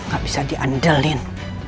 gak bisa diandelin